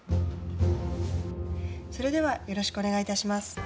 それではよろしくお願いいたします。